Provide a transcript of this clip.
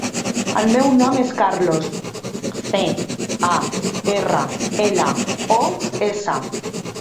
El meu nom és Carlos: ce, a, erra, ela, o, essa.